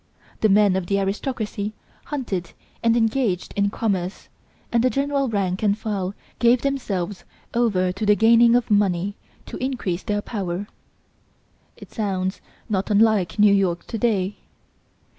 The men of the aristocracy hunted and engaged in commerce, and the general rank and file gave themselves over to the gaining of money to increase their power. It sounds not unlike New York to day.